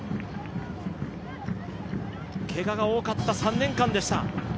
けがが多かった３年間でした。